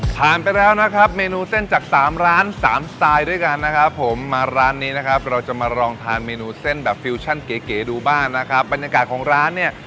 ผ่านไปแล้วนะครับเมนูเส้นจากสามร้านสามสไตล์ด้วยกันนะครับผมมาร้านนี้นะครับเราจะมาลองทานเมนูเส้นแบบฟิวชั่นเก๋เก๋ดูบ้างนะครับบรรยากาศของร้านเนี่ย